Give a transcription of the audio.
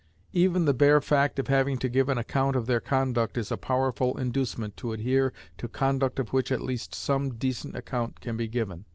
Even the bare fact of having to give an account of their conduct is a powerful inducement to adhere to conduct of which at least some decent account can be given.